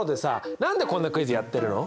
なんでこんなクイズやってるの？